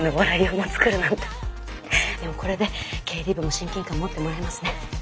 でもこれで経理部も親近感持ってもらえますね。